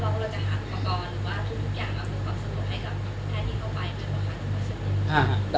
ความสนุกให้กับท่านที่เข้าไปเหมือนกับท่านที่เขาช่วยด้วย